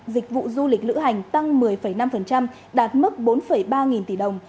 dịch vụ du lịch lữ hành tăng một mươi năm đạt mức bốn ba nghìn tỷ đồng